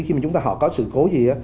khi chúng ta họ có sự cố gì